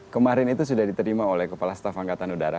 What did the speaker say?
kemarin itu sudah diterima oleh kepala staf angkatan udara